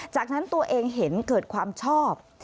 จากนั้นตัวเองเห็นเกิดความชอบ